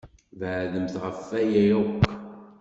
Beɛdemt ɣef waya akk!